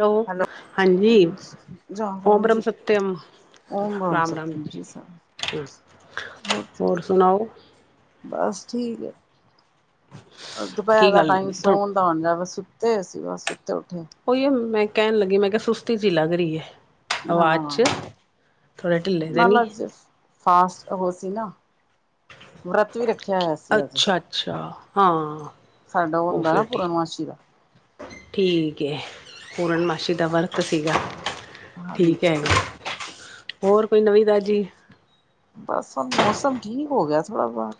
Hello, ਹਾਂਜੀ ਰਾਮ ਰਾਮ ਓਬਰਮ ਜੀ ਸਤਿਅਮ। ਓਮ ਰਾਮ -ਰਾਮ ਸਤਿਮ ਜੀ, ਸਾਹਿਬ ਹਮ ਹੋਰ ਸੁਣਾਓ? ਬਸ ਠੀਕ ਹੈ ਦੁਪਹਿਰ ਕੀ ਦਾ ਗੱਲ ਟਾਈਮ ਸੌਣ ਦਾ ਹੁੰਦਾ ਬਸ, ਸੁੱਤੇ ਸੀ ਬਸ। ਉੱਠੇ ਉਹੀਓ, ਮੈਂ ਕਹਿਣ ਲੱਗੀ ਮੈਂ ਕਿਹਾ, ਸੁਸਤੀ ਜੀ ਲੱਗ ਰਹੀ ਹੈ। ਅਵਾਜ਼ 'ਚ ਹਾਂ ਥੋੜ੍ਹੇ ਢਿੱਲੇੇ ਦੇ ਨਾਲ ਨਹੀਂ। ਅੱਜ ਫਾਸਟ ਉਹ ਸੀ ਨਾ, ਵਰਤ ਵੀ ਰੱਖਿਆ ਹੋਇਆ ਸੀ ਅੱਜ। ਅੱਛਾ ਅੱਛਾ ਹਾਂ ਸਾਡਾ ਉਹ ਹੁੰਦਾ ਨਾ ਫਿਰ ਠੀਕ ਪੂਰਨਮਾਸ਼ੀ ਦਾ ਠੀਕ ਹੈ ਪੂਰਨਮਾਸ਼ੀ ਦਾ ਵਰਤ ਸੀਗਾ। ਹਾਂਜੀ। ਠੀਕ ਹੈਗਾ ਹੋਰ ਕੋਈ ਨਵੀਂ ਤਾਜ਼ੀ? ਬਸ ਹੁਣ ਮੌਸਮ ਠੀਕ ਹੋ ਗਿਆ ਥੋੜਾ ਬਾਹਰ।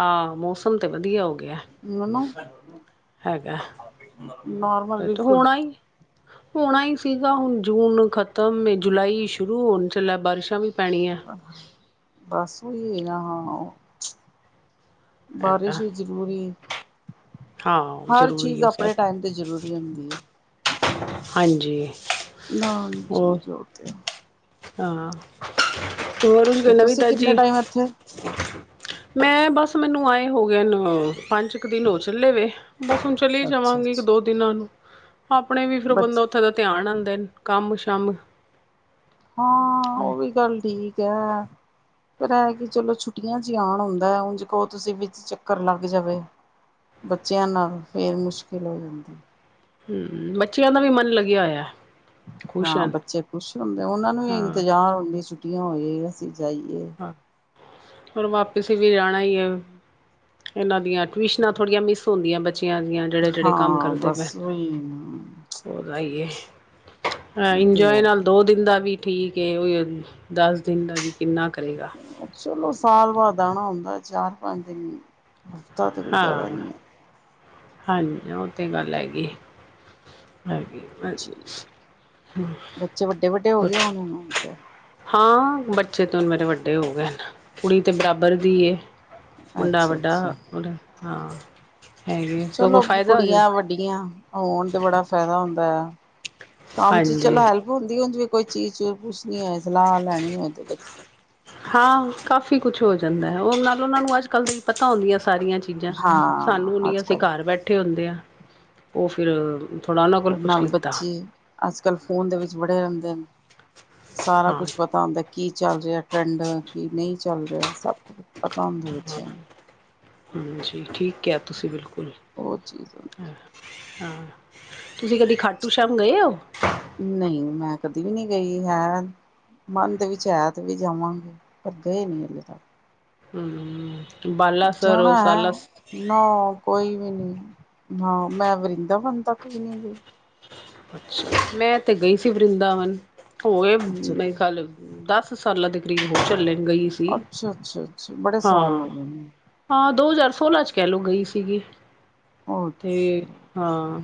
ਹਾਂ ਮੌਸਮ ਤੇ ਵਧੀਆ ਹੋ ਗਿਆ। ਮੈਨੂੰ [inaudible] ਹੈਗਾ ਨੋਰਮਲ ਤੇ ਤ ਬਿਲਕੁਲ ਹੋਣਾ ਹੋਣਾ ਹੀ ਸੀਗਾ, ਹੁਣ ਜੂਨ ਖਤਮ ਹੈ, ਜੁਲਾਈ ਸ਼ੁਰੂ ਹੋਣ ਚੱਲਾ, ਬਾਰਿਸ਼ਾਂ ਵੀ ਪੈਣੀਆਂ। ਬਸ ਉਹੀ ਹੈ ਨਾ। ਹੈਗਾ ਬਾਰਿਸ਼ ਵੀ ਜ਼ਰੂਰੀ ਹੈ। ਹਾਂ ਹਰ ਜ਼ਰੂਰੀ ਚੀਜ਼ ਹੈ ਸਭ ਆਪਣੇ ਟਾਈਮ ਤੇ ਜ਼ਰੂਰੀ ਹੁੰਦੀ ਹੈ। ਹਾਂਜੀ। ਨਾ ਚੀ ਹੋਰ ਉਹ ਤੇ ਹੋ ਹਾਂ ਹੋਰ, ਤੇ ਕੋਈ ਨਵੀ ਤੁਸੀਂ ਕਿੰਨੇ ਤਾਜੀ? ਟਾਈਮ ਇੱਥੇ ਮੈਂ ਬਸ ਮੈਨੂੰ ਆਏ ਹੋ ਗਏ ਨੂੰ, ਪੰਜ ਕੁ ਦਿਨ ਹੋ ਚੱਲੇ ਵੇ। ਬਸ ਹੁਣ ਚਲੀ ਅੱਛਾ ਜਾਵਾਂਗੀ, ਇੱਕ ਅੱਛਾ ਦੋ ਦਿਨਾਂ ਨੂੰ। ਆਪਣੇ ਵੀ ਫਿਰ, ਉਹ ਬਚ ਬੰਦਾ ਉੱਥੇ ਦਾ ਧਿਆਨ ਆਉਂਦੇ ਨ ਕੰਮ ਸ਼ਮ ਹਾਂ, ਉਹ ਵੀ ਗੱਲ ਠੀਕ ਹੈ। ਪਰ ਹੈ ਕਿ, ਚਲੋ ਛੁੱਟੀਆਂ ਚ ਹੀ ਆਉਣ ਹੁੰਦਾ, ਉਝ ਕਹੋ, ਤੁਸੀਂ ਵਿੱਚ ਚੱਕਰ ਲੱਗ ਜਾਵੇ ਬੱਚਿਆਂ ਨਾਲ ਫੇਰ ਮੁਸ਼ਕਿਲ ਹ ਹੂ ਬੱਚਿਆਂ ਦਾ ਵੀ ਮਨ ਲੱਗਿਆ ਹੋਇਆ। ਖੁਸ਼ ਹਾਂ, ਹਨ ਬੱਚੇ ਖੁਸ਼ ਹੁੰਦੇ, ਉਹਨਾਂ ਨੂੰ ਵੀ ਹਾਂ ਇੰਤਜ਼ਾਰ ਹੁੰਦੀ ਛੁੱਟੀਆਂ, ਹੋ ਜਾਨ ਅਸੀ? ਜਾਈਏ? ਔਰ ਵਾਪਸ, ਵੀ ਜਾਣਾ ਏ? ਇਹਨਾਂ, ਦੀਆਂ ਟਿਊਸ਼ਨਾਂ, ਥੋੜ੍ਹੀਆਂ ਮਿਸ ਹੁੰਦੀਆਂ ਬੱਚਿਆਂ ਦੀਆਂ ਜਿਹੜੇ ਜਿਹੜੇ ਕੰਮ ਹਾਂ ਕਰਦੇ ਪਏ ਬਸ ਉਹੀ ਹੋਰ ਆਈਏ। ਹਾ ਉਹ ਤੇ ਇੰਜੋਏ ਹੈ ਨਾਲ ਦੋ ਦਿਨ, ਦਾ ਵੀ ਠੀਕ ਦਸ ਦਿਨ, ਦਾ ਵੀ ਕਿੰਨਾ ਕ? [inaudible] [inaudible] ਚਲੋ ਸਾਲ ਬਾਅਦ ਆਣਾ ਹੁੰਦਾ, ਚਾਰ ਪੰਜ ਦਿਨ, ਹਫ਼ਤਾ ਤਾਂ ਕੋਈ ਜ਼ਿਆਦਾ ਹਾਂ ਨਹੀਂ ਹੈ। ਹਾਂਜੀ, ਉਹ ਤੇ ਗੱਲ ਹੈਗੀ? ਹੈ ਜੀ ਬੱਚੇ ਵੱਡੇ ਵੱਡੇ ਹੋ ਗਏ ਹੋਣੇ ਹੁਣ [unintelligible] [inaudible] ਤੇ ਹਾਂ ਬੱਚੇ, ਤੇ ਹੁਣ ਮੇਰੇ ਵੱਡੇ ਹੋ ਗਏ, ਨ ਕੁੜੀ ਤੇ ਬਰਾਬਰ ਦੀਏ। ਮੁੰਡਾ ਅੱਛਾ ਵੱਡਾ ਅੱਛਾ ਹਾਂ? ਹੈਗੇ ਸਗੋਂ ਚਲੋ, ਫਾਇਦਾ ਹੋ ਜਾ ਕੁੜੀਆਂ ਵੱਡੀਆਂ ਹੋਣ, ਤੇ ਬੜਾ ਫਾਇਦਾ ਹੁੰਦਾ ਆ, ਕੰਮ ਚ, ਹਾਂਜੀ ਚਲੋ ਹੈਲਪ ਹੁੰਦੀ ਉਂਝ ਵੀ ਕੋਈ ਚੀਜ਼ ਚੁਜ਼ ਪੁੱਛ ਕੀ ਹੋਏ ਸਲਾਹ ਲੈਣੀ ਹੋਏ ਤੇ ਕੋਈ? ਹਾਂ ਕਾਫੀ ਕੁਛ ਹੋ ਜਾਂਦਾ ਹੈ। ਉਹ ਨਾਲ ਉਹਨਾਂ ਨੂੰ ਅੱਜ ਕੱਲ੍ਹ ਦੀ ਪਤਾ ਹੁੰਦੀਆਂ? ਸਾਰੀਆਂ ਚੀਜ਼ਾਂ ਸਾਨੂੰ ਹਾਂ ਨਹੀਂ, ਅੱਜ ਅਸੀਂ ਕੱਲ ਘਰ ਬੈਠੇ ਹੁੰਦੇ ਹਾਂ। ਉਹ ਫਿਰ ਥੋੜ੍ਹਾ ਉਹਨਾਂ ਕੋਲ ਉਹ ਪੁੱਛ ਨਾਲ ਲਿੱਤਾ ਬੱਚੇ, ਅੱਜ ਕੱਲ੍ਹ ਫੋਨ ਦੇ ਵਿੱਚ ਵੜੇ, ਰਹਿੰਦੇ ਨੇ। ਸਾਰਾ ਹਾਂ ਕੁਛ ਪਤਾ ਹੁੰਦਾ, ਕੀ ਚੱਲ ਰਿਹਾ ਟਰੈਂਡ, ਕੀ ਨਹੀਂ ਚੱਲ ਰਿਹਾ। ਸਭ ਕੁਛ ਪਤੰਦ ਵਿੱਚ ਹੈ। ਹਾਂਜੀ। ਠੀਕ ਕਿਆ ਤੁਸੀਂ ਬਿਲਕੁਲ ਉਹ ਚੀਜ਼ ਹਾਂ। ਤੁਸੀਂ ਕਦੀ ਖਾਟੂ ਸ਼ਾਮ ਗਏ ਹੋ? ਨਹੀਂ। ਮੈਂ ਕਦੀ ਵੀ ਨਹੀਂ, ਗਈ ਹੈ ਮਨ ਦੇ ਵਿੱਚ, ਹੈ ਤੇ ਵੇ ਜਾਵਾ ਪਰ ਗਏ ਨੀ। ਅਜੇ ਤੱਕ ਹੂ ਜਾਣਾ ਹੈ। ਨਾ ਔ ਕੋਈ ਵੀ ਨੀ ਹਾਂ। ਮੈਂ ਵਰਿੰਦਾਵਨ ਤੱਕ ਵੀ ਨਹੀਂੀ ਗਈ ਮੈ, ਤੇ ਗਈ ਸੀ, ਵਰਿੰਦਾਵਨ ਹੋਂ ਅੱਛਾ ਆਏ ਜੀ ਕੱਲ, ਦਸ ਸਾਲਾਂ ਦੇ ਕਰੀਬ ਹੋ ਚੱਲੇ ਗਈ ਸੀ। ਅੱਛਾ ਅੱਛਾ ਅੱਛਾ ਬੜੇ ਸਾਲ ਹਾਂ। ਹੋ ਗਏ ਨੇ ਹਾਂ ਦੋ ਹਜ਼ਾਰ? ਸੋਲਾ ਚ, ਕਹਿ ਲਓ ਗਈ ਸੀਗੀ। ਤੇ ਅੱਛਾ ਹਾਂ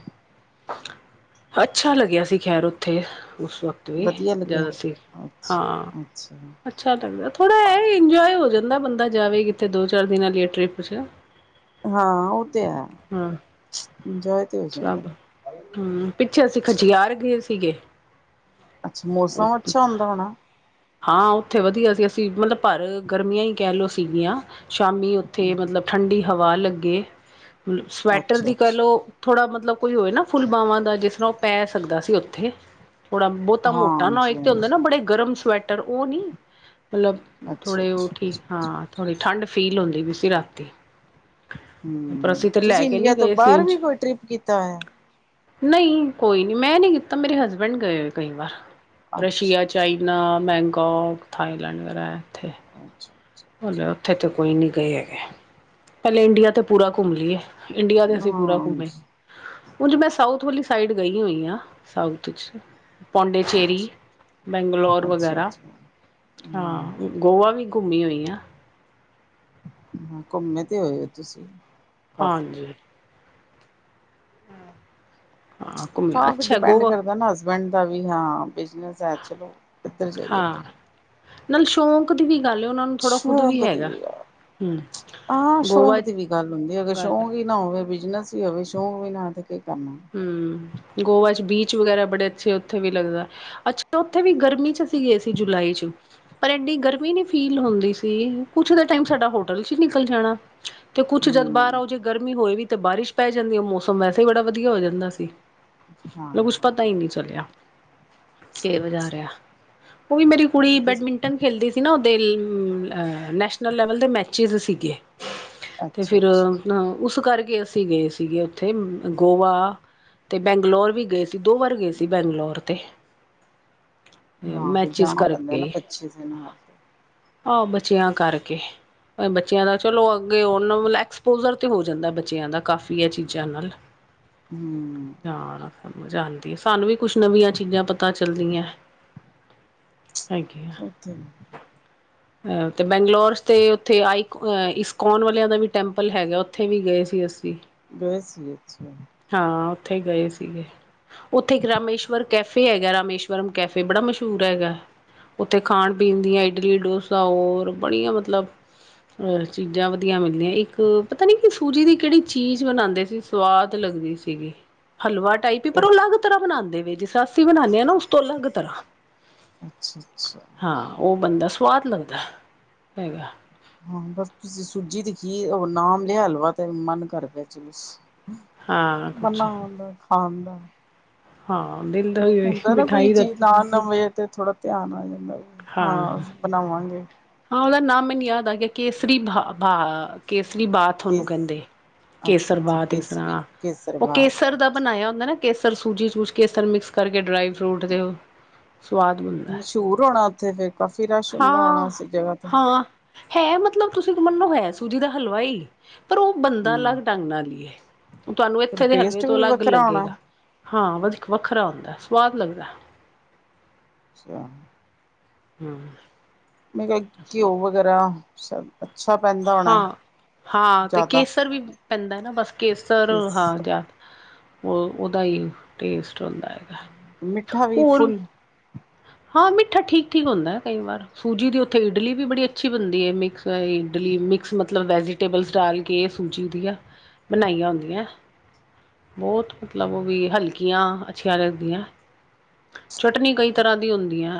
ਅੱਛਾ, ਲੱਗਿਆ ਸੀ ਖੈਰ ਉੱਥੇ ਉਸ ਵਕਤ ਵੀ ਵਧੀਆ ਲੱਗਿਆ ਜ਼ਿਆਦਾ ਸੀ। ਹਾ? ਅੱਛਾ ਅੱਛਾ ਅੱਛਾ ਲੱਗਦਾ। ਥੋੜਾ ਇਹ ਵਿ ਇੰਜੋਏ, ਹੋ ਜਾਂਦਾ ਬੰਦਾ ਜਾਵੇ ਕਿ ਦੋ ਚਾਰ ਦਿਨਾਂ, ਦਿਆਂ ਟ੍ਰਿਪ ਚ ਹਾਂ ਉਹ ਤੇ ਹੈ। ਹਾਂ ਜਾਏ ਤੇ ਓ ਸਭ ਜਾਏ। ਹਮ ਪਿੱਛੇ, ਅਸੀਂ ਖਚਿਆਰ ਗਏ ਸੀਗੇ ਅੱਛਾ। ਮੌਸਮ ਅੱਛਾ ਹੁੰਦਾ ਹੋਣਾ ਹਾਂ, ਉੱਥੇ ਵਧੀਆ ਸੀ। ਅਸੀਂ ਮਤਲਬ ਭਰ ਗਰਮੀਆਂ ਹੀ ਕਹਿ ਲਓ ਸੀਗੀਆਂ ਸ਼ਾਮੀ ਉੱਥੇ। ਮਤਲਬ ਠੰਡੀੀ ਹਵਾ ਲੱਗੇ ਸਵੈਟਰ, ਅੱਛਾ ਦੀ ਕਹਿ ਅੱਛਾ ਲਓ। ਥੋੜਾ ਮਤਲਬ ਕੋਈ ਹੋਏ ਨਾ। ਫੁੱਲਬਾਂਵਾਂ ਦਾ ਜਿਸ ਤਰ੍ਹਾਂ, ਉਹ ਪੈ ਸਕਦਾ ਸੀ ਉੱਥੇ ਥੋੜਾ, ਬਹੁਤਾ ਮੋਟਾ ਨ ਹੋ, ਹਾਂਜੀ ਇਕ ਤੇ ਹੁੰਦਾ ਨਾ ਹਾਂਜੀ ਬੜੇ ਗਰਮ ਸਵੈਟਰ ਉਹ ਨੀ ਮਤਲਬ। ਅੱਛਾ ਥੋੜੇ ਉਹ ਅੱਛਾ ਠੀਕ ਹਾਂ। ਥੋੜ੍ਹੀ ਠੰਡ, ਫੀਲ ਹੁੰਦੀ ਪਈ ਸੀ ਰਾਤੀ ਪਰ ਹਮ। ਅਸੀਂ ਤਾਂ ਲੈ ਤੁਸੀਂ ਕੇ ਇੰਡੀਆ ਨਹੀਂ ਤੋਂ ਗਏ ਸੀ ਬਾਹਰ ਵੀ ਉਂਝ ਕੋਈ ਟ੍ਰਿਪ ਕੀਤਾ ਹੋਇਆ? ਨਹੀਂ। ਕੋਈ ਨਹੀਂੀ। ਮੈਂ ਨਹੀਂ ਕੀਤਾ, ਮੇਰੇ ਹਸਬੈਂਡ ਗਏ ਹੋਏ ਕਈ ਵਾਰ ਅੱਛਾ ਰਸ਼ੀਆ, ਅੱਛਾ ਚਾਈਨਾ, ਮੈਂਕੋਕ, ਥਾਈਲੈਂਡ ਵਗੈਰਾ ਅੱਛਾ ਅੱਛਾ ਹਾਲੇ ਉੱਥੇ ਤੇ ਕੋਈ ਨੀ ਗਏ ਹੈਗੇ ਪਹਿਲੇ ਇੰਡੀਆ ਤੇ ਪੂਰਾ ਘੁੰਮ ਲਈਏ ਇੰਡੀਆ ਤੇ ਅੱਛਾ ਅਸੀਂ ਪੂਰਾ ਘੁੰਮੇ ਹਾਂ ਉਝੰ ਮੈਂ ਸਾਊਥ ਵਾਲੀ ਸਾਈਡ ਗਈ ਹੋਈ ਹਾਂ ਸਾਊਥ 'ਚ ਪੋਂਡਚੇਰੀ, ਅੱਛਾ ਬੈਂਗਲੋੌਰ ਵਗੈਰਾ ਅੱਛਾ-ਅੱਛਾ, ਹਾਂ ਹੂੰ ਗੋਵਾ ਵੀ ਘੁੰਮੀ ਹੋਈ ਹਾਂ। ਘੁੰਮੇ ਤੇ ਹੋਏ ਹੋ ਤੁਸੀਂ ਕਾਫੀ। ਹਾਂਜੀ [inaudible] ਘੁੰਮਿਆ ਹਾਂ ਫਿਰ ਅੱਛਾ ਡਿਪੈਂਡ ਗੋਆ ਕਰਦਾ ਨਾ ਹਸ ਹਸਬੈਂਡ ਦਾ ਵੀ ਹਾਂ ਬਿਜਨਸ ਹੈ ਚਲੋ ਇੱਧਰ ਜਾਈਏ ਇਧਰ ਹਾਂ ਨਾਲ ਸ਼ੌਕ ਦੀ ਵੀ ਗੱਲ ਹੈ ਉਹਨਾਂ ਨੂੰ ਥੋੜ੍ਹਾ ਖੁਦ ਵੀ ਸ਼ੌਕ ਦੀ ਹੈਗਾ। ਹਮ [inaudible] ਹਾਂ ਸ਼ੌਂਕ ਗੋਆ ਦੀ ਵੀ ਗੱਲ ਹੁੰਦੀ ਅਗਰ ਗੱਲ ਸ਼ੌਂਕ ਹੀ ਨਾ ਹੋਵੇ ਬਿਜਨਸ ਸੀ ਹੋਵੇ ਸ਼ੌਕ ਵੀ ਨਾ ਦੇ ਹੂੰ ਗੋਵਾ 'ਚ ਬੀਚ ਵਗੈਰਾ ਬੜੇ ਅੱਛੇ ਉੱਥੇ ਵੀ ਲੱਗਦਾ ਹੈ। ਅੱਛਾ ਉੱਥੇ ਵੀ ਗਰਮੀ 'ਚ ਅਸੀ ਗਏ ਸੀ ਜੁਲਾਈ ਚ ਪਰ ਐਂ ਗਰਮੀ ਨੀ ਫੀਲ ਹੁੰਦੀ ਸੀ ਕੁਛ ਦਾ ਟਾਈਮ ਸਾਡਾ ਹੋਟਲ 'ਚ ਨਿਕਲ ਜਾਣਾ। ਤੇ ਕੁੱਛ ਜਦ ਬਾਹਰ ਹੂੰ ਆੳ ਜੇ ਗਰਮੀ ਹੋਇ ਵੀ ਤੇ ਬਾਰਿਸ਼ ਪੈ ਜਾਂਦੀ ਹੈ ਮੌਸਮ ਵੈਸੇ ਬੜਾ ਵਧੀਆ ਵਧੀਆ ਹੋ ਜਾਂਦਾ ਸੀ। ਹਾਂ ਕੇ ਵਜਾ ਰਿਹਾ। ਉਹ ਵੀ ਮੇਰੀ ਕੁੜੀ ਬੈਡਮਿੰਟਨ ਖੇਲਦੀ ਸੀ ਨਾ ਉਹ ਨੈਸ਼ਨਲ ਲੈਵਲ ਦੇ ਮੈਚਿਸ ਸੀ। ਤੇ ਫਿਰ ਅੱਛਾ-ਅੱਛਾ ਅਪਨਾ ਉਸ ਕਰਕੇ ਅਸੀਂ ਗਏ ਸੀਗੇ ਉੱਥੇ ਗੋਵਾ ਤੇ ਬੈਂਗਲੌਰ ਵੀ ਗਏ ਸੀ ਦੋ ਵਾਰ ਗਏ ਸੀ ਬੈਂਗਲੋੌਰ ਤੇ ਹਾਂ ਫਿਰ ਮੈਚਿਸ ਜਾਣਾ ਪੈਂਦਾ ਨਾ ਕਰਕੇ ਬੱਚੇ ਦੇ ਨਾਲ ਆਹ ਬਚਿਆਂ ਕਰਕੇ ਬੱਚਿਆਂ ਦਾ ਚਲੋ, ਅੱਗੇ ਉਹਨਾਂ ਮਤਲਬ ਐਕਸਪੋਜਰ ਤੇ ਹੋ ਜਾਂਦਾ ਬੱਚਿਆਂ ਦਾ ਕਾਫੀ ਇਹ ਚੀਜ਼ਾਂ ਨਾਲ ਹੂੰ ਜਾ ਸਮਜ਼ ਆਂਦੀ, ਸਾਨੂੰ ਵੀ ਕੁਛ ਨਵੀਆਂ ਚੀਜ਼ਾਂ ਪਤਾ ਚੱਲਦੀਆਂ। [inaudible] ਓਹ ਤੇ ਹੈ। ਅ ਤੇ ਬੈਂਗਲੌਰ ਤੇ ਉੱਥੇ ਆਈ-ਇਸਕੋਨ ਵਾਲਿਆਂ ਦਾ ਵੀ ਟੈਂਪਲ ਹੈਗਾ ਉੱਥੇ ਵੀ ਗਏ। ਜੀ ਅਸੀਂ ਬਸ ਅੱਛਾ ਹਾਂ ਉੱਥੇ ਹੀ ਗਏ ਸੀਗੇ। ਉੱਥੇ ਇੱਕ ਰਾਮੇਸ਼ਵਰ ਕੈਫੇ ਹੈਗਾ ਰਾਮੇਸ਼ਵਰਮ ਕੈਫੇ ਬੜਾ ਮਸ਼ਹੂਰ ਹੈਗਾ। ਉੱਥੇ ਖਾਣ-ਪੀਣ ਦੀਆਂ ਇਡਲੀ-ਡੋਸਾ, ਹੋਰ ਬੜੀਆਂ ਮਤਲਬ ਅਹ ਚੀਜ਼ਾਂ ਵਧੀਆ ਮਿਲਦੀਆਂ ਇੱਕ ਪਤਾ ਨੀ ਕਿ ਸੂਜੀ ਦੀ ਕਿਹੜੀ ਚੀਜ਼ ਬਣਾਂਦੇ ਸੀ ਸਵਾਦ ਲੱਗਦੀ ਸੀਗੀ ਹਲਵਾ ਟਾਈਪ ਹੀ ਪਰ ਉਹ ਅਲੱਗ ਤਰ੍ਹਾਂ ਬਣਾ ਸੀ ਜਿਸਾ ਅਸੀ ਬਨਾਨੇ ਆ ਨਾ ਉਸ ਤੋਂ ਅਲੱਗ ਤਰ੍ਹਾਂ ਅੱਛਾ-ਅੱਛਾ ਹਾਂ ਉਹ ਬਣਦਾ ਸਵਾਦ ਲੱਗਦਾ ਹੈਗਾ। ਹਾਂ ਬਸ ਤੁਸੀਂ ਸੂਜੀ ਦਿਖੀ ਉਹ ਨਾਮ ਲਿਆ ਹਲਵਾ ਤੇ ਮਨ ਕਰ ਪਿਆ ਚਲੋ। ਹਾਂ ਕੁਛ ਆਂਦਾ। ਹਾਂ। ਦਿਲ ਦਾ ਹੁੰਦਾ ਨਾ ਕੋਈ ਮਿਠਾਈ ਦਾ ਚੀਜ਼ ਨਾਂ ਨਵੇਂ ਤੇ ਥੋੜਾ ਧਿਆਨ ਆ ਜਾਂਦਾ। ਹਾਂ ਬਣਾਵਾਂਗੇ ਹਾਂ-ਹਾਂ ਉਹਦਾ ਨਾਮ ਮੈਨੂੰ ਯਾਦ ਆ ਗਿਆ। ਕੇਸਰੀ ਭ-ਭ ਕੇਸ ਕੇਸਰੀ ਬਾਥ ਓਨਹੁ ਕੇਸ ਕਹਿੰਦੇ ਅੱਛਾ ਕੇਸਰ ਅੱਛਾ ਬਾਥ ਇਸ ਕੇਸਰੀ ਤਰ੍ਹਾਂ ਕੇਸਰ ਉਹ ਬਾਤ ਕੇਸਰ ਦਾ ਬਣਾਇਆ ਹੁੰਦਾ ਨਾ। ਕੇਸਰ ਸੂਜੀ ਸੂਜ ਕੇਸਰ ਮਿਕਸ ਕਰਕੇ ਡਰਾਈ-ਫਰੂਟ ਤੇ ਸਵਾਦ ਹੁੰਦਾ ਹੈ। ਉਥੇ ਫਿਰ ਕਾਫੀ ਰਸ਼ ਹੁੰਦਾ ਹੋਣਾ ਇਸ ਜਗ੍ਹਾ ਤੇ ਹਾਂ ਹੈ, ਮਤਲਬ ਤੁਸੀਂ ਮੰਨੋ ਹੈ ਸੂਜੀ ਦਾ ਹਲਵਾ ਹੀ। ਪਰ ਉਹ ਬੰਦਾ ਅਲੱਗ ਹੂੰ ਢੰਗ ਨਾਲ ਹੀ ਹੈ। ਤੁਹਾਨੂੰ ਫਿਰ ਇੱਥੇ ਦੇ ਹਲਵੇ ਟੇਸਟ ਤੋਂ ਵੀ ਅਲੱਗ ਵੱਖਰਾ ਹੋਣਾ ਲੱਗੇਗਾ। ਹਾਂ, ਵਖ ਵੱਖਰਾ ਹੁੰਦਾ, ਸਵਾਦ ਲੱਗਦਾ। ਅੱਛਾ। ਹੂ [unintelligible] ਮੈਂ ਕਿਹਾ ਘਿਓ ਵਗੈਰਾ ਸਭ ਪੈਂਦਾ ਹੋਣਾਂ ਹਾਂ ਹਾਂ, ਤੇ ਕੇਸਰ ਵੀ ਪੈਂਦਾ ਨਾ, ਬਸ ਕੇਸਰ ਕੇਸ ਹਾਂ ਯ ਉਹ ਉਹਦਾ ਹੀ ਟੇਸਟ ਹੁੰਦਾ ਹੈਗਾ। ਮਿੱਠਾ ਵੀ ਹੋਰ ਫੁੱਲ ਹਾਂ, ਮਿੱਠਾ ਠੀਕ-ਠੀਕ ਹੁੰਦਾ ਹੈ ਕਈ ਵਾਰ, ਸੂਜੀ ਦੀ ਉੱਥੇ ਇਡਲੀ ਵੀ ਬੜੀ ਅੱਛੀ ਬਣਦੀ ਹੈ ਮਿਕਸ ਇਡਲੀ ਮਿਕਸ ਮਤਲਬ ਵੈਜੀਟੇਬਲਸ ਡਾਲ ਕੇ ਸੂਜੀ ਦੀਆਂ ਬਣਾਈਆਂ ਹੁੰਦੀਆਂ। ਬਹੁਤ ਮਤਲਬ ਉਹ ਵੀ ਹਲਕੀਆਂ ਅੱਛੀਆਂ ਲੱਗਦੀਆਂ। ਚਟਣੀ ਕਈ ਤਰ੍ਹਾਂ ਦੀਆਂ ਹੁੰਦੀਆਂ।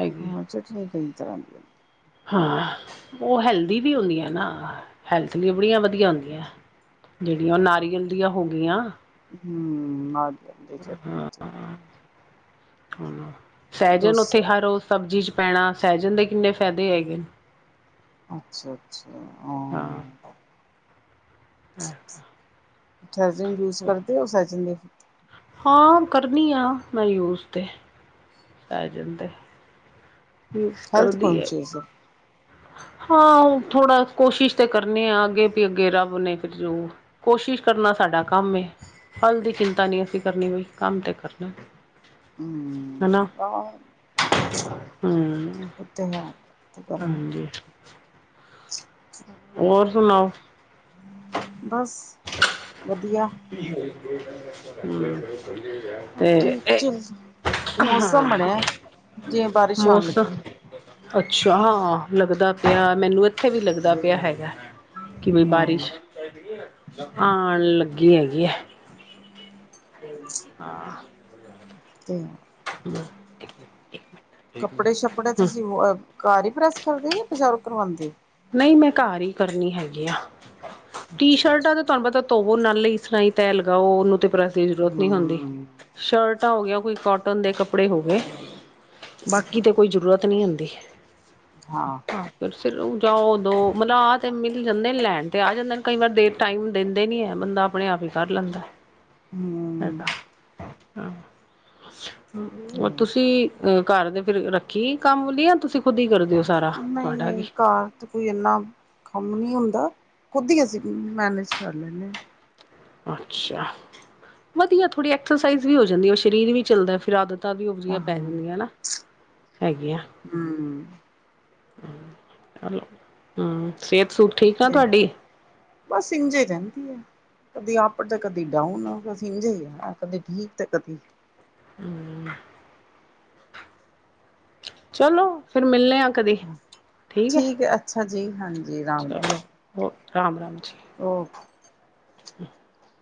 ਹੈਗੀ ਹਾਂ, ਚਟਨੀ ਕਈ ਤਰ੍ਹਾਂ ਦੀ ਹੁੰਦੀ। ਹਾਂ। ਉਹ ਹੈਲਦੀ ਵੀ ਹੁੰਦੀਆਂ ਨਾ, ਹੈਲਥ ਲਈ ਬੜੀਆਂ ਵਧੀਆ ਹੁੰਦੀਆਂ। ਜਿਹੜੀਆਂ ਉਹ ਨਾਰੀਅਲ ਦੀਆਂ ਹੋ ਗਈਆਂ। ਹੂੰ, ਨਾਰੀਅਲ ਦੀ ਚੱਟਣੀ। ਹ ਸਹਿਜਣ ਉੱਥੇ ਹਰ ਰੋਜ ਸਬਜ਼ੀ ਚ ਪੈਣਾ, ਸਹਿਜਨ ਦੇ ਕਿੰਨੇ ਫਾਇਦੇ ਹੈਗੇ ਨੇ। ਅੱਛਾ, ਅੱਛਾ। [unintelligible] ਸੈਜ਼ਨ ਯੂਸ ਕਰਦੇ ਹੋ? ਸੈਜ਼ ਦੇ ਹਾਂ ਕਰਨੀ ਆ ਮੈਂ ਯੂਜ ਤੇ ਪੈ ਜਾਂਦੇ। ਹੈਲਥ ਕੌਨਛਿਅਸ ਹੋ। [inaudible] ਹਾਂ ਥੋੜਾ ਕੋਸ਼ਿਸ਼ ਤੇ ਕਰਨੀ ਆ ਅੱਗੇ ਵੀ ਅੱਗੇ ਰੱਬ ਨੇ ਫਿਰ ਜੋ ਕੋਸ਼ਿਸ਼ ਕਰਨਾ। ਸਾਡਾ ਕੰਮ ਹੈ ਫਲ ਦੀ ਚਿੰਤਾ ਨਹੀਂ ਅਸੀਂ ਕਰਨੀ ਹੋਈ ਕੰਮ ਤਾਂ ਕਰਨਾ ਹਮ ਹਨਾ ਆ ਹਮ। ਓਹ ਤੇ ਗੱਲ ਹੈ [inaudible] ਹੋਰ ਸੁਣਾਓ। ਬਸ ਵਧੀਆ। ਸਭ ਤੇ ਠੀਕ ਇਹ ਚੱਲ ਮੌਸਮ ਹਾਂ ਬਣਿਆ ਜਿਵੇਂ ਬਾਰਿਸ਼ ਆਣ ਮੌਸਮ ਲੱਗੀ ਅੱਛਾ ਹਾਂ। ਲੱਗਦਾ ਪਿਆ ਮੈਨੂੰ ਇੱਥੇ ਵੀ ਲੱਗਦਾ ਪਿਆ ਹੈਗਾ ਕਿਵੇ ਹਾਂ ਬਾਰਿਸ਼ ਆਉਣ ਲੱਗੀ ਹੈਗੀ ਆ। [unintelligible] [unintelligible] [unintelligible] ਕੱਪੜੇ ਸ਼ੱਪੜੇ ਤੁਸੀਂ ਘਰ ਹੀ ਪ੍ਰੈਸ ਕਰਦੇ ਜਾਂ ਬਜ਼ਾਰੋਂ ਕਰਵਾਉਦੇ ਹੋ ਨਹੀਂ ਮੈਂ ਘਰ ਹੀ ਕਰਨੀ ਹੈਗੀ ਆ। ਹੋ ਟੀ ਸ਼ਰਟਾਂ ਤੇ ਅੱਛਾ-ਅੱਛਾ ਤੁਹਾਨੂੰ ਪਤਾ ਧੋਵੋ ਨਾਲ ਇਸ ਤਰ੍ਹਾਂ ਹੀ ਤੈ ਲਗਾ ਉਹਨੂੰ ਤੇ ਪ੍ਰਸ ਦੀ ਜ਼ਰੂਰਤ ਨਹੀਂ ਹੁੰਦੀ ਹੂੰ ਸ਼ਰਟ ਰਚਾ ਹੋ ਗਿਆ ਕੋਈ ਕੋਟਨ ਦੇ ਕੱਪੜੇ ਹੋ ਗਏ ਬਾਕੀ ਤੇ ਕੋਈ ਜ਼ਰੂਰਤ ਨਹੀਂ ਹੁੰਦੀ ਹਾਂ ਆਹ ਫਿਰ ਸਿਲੁਗੀ ਮਤਲਬ ਆ ਤੇ ਮਿਲ ਜਾਂਦੇ ਨੇ ਲੈਣ ਤੇ ਆ ਜਾਂਦੇ ਕਈ ਵਾਰ ਦੇ ਟਾਈਮ ਦਿੰਦੇ ਨੀ ਹੈ ਬੰਦਾ ਆਪਣੇ ਆਪ ਹੀ ਕਰ ਲ [unintelligible] ਹੂੰ ਹੈਗਾ ਹਰ ਤੇ ਤੁਸੀਂ ਅ ਘਰ ਦੇ ਫਿਰ ਰੱਖੀ ਕੰਮ ਵਾਲੀ ਯਾਂ ਤੁਸੀਂ ਖੁਦ ਹੀ ਕਰਦੇ ਓ ਸਾਰਾ ਨਹੀਂ ਤੁਹਾਡਾ ਕੀ ਨਹੀਂ ਘਰ ਕੋਈ ਇੰਨਾ ਖਮ ਨੀ ਹੁੰਦਾ, ਖੁਦ ਹੀ ਅਸੀਂ ਮੈਨੇਜ ਕਰ ਲੈਂਦੇ ਹਾਂ। ਅੱਛਾ ਵਧੀਆ, ਥੋੜ੍ਹੀ ਐਕਸਰਸਾਈਜ਼ ਵੀ ਹੋ ਜਾਂਦੀ ਉਹ ਸਰੀਰ ਵੀ ਚੱਲਦਾ ਫਿਰ ਆਦਤ। ਤਾਂ ਵੀ ਹਾਂ ਉਭਰੀਆਂ ਪੈ ਆਹੋ ਜਾਂਦੀਆਂ ਨਾ, ਹੈਗੀਆਂ ਹਮ ਹੂ ਹੈਲੋ ਹੂ ਜੀ, ਬਸ ਇੰਝ ਹੀ ਰਹਿੰਦੀ ਆ। ਕਦੇ ਅਪ ਤੇ ਕਦੇ ਡਾਊਨ ਇਝ ਆ, ਕਦੇ ਠੀਕ ਤੇ ਕਦੀ ਹੂ ਚਲੋ ਫੇਰ ਮਿਲਣੇ ਆ। ਕਵੀ ਠੀਕ ਹੈ, ਅੱਛਾ ਜੀ ਹਾਂਜੀ ਚਲੋ ਹੋ ਰਾਮ ਰਾਮ ਜੀ। ਔ ਕੇ ਹਮ [unintelligible]